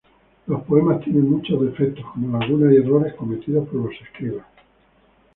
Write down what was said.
Los poemas tienen muchos defectos, como lagunas y errores cometidos por los escribas.